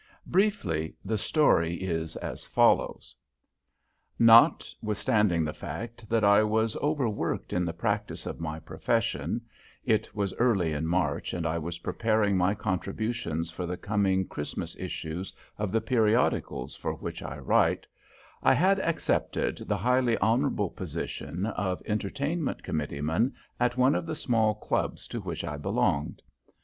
Briefly the story is as follows: Notwithstanding the fact that I was overworked in the practice of my profession it was early in March, and I was preparing my contributions for the coming Christmas issues of the periodicals for which I write I had accepted the highly honorable position of Entertainment Committeeman at one of the small clubs to which I belonged.